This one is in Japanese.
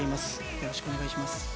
よろしくお願いします。